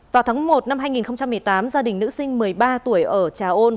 vào tháng một năm hai nghìn một mươi tám gia đình nữ sinh một mươi ba tuổi ở trà ôn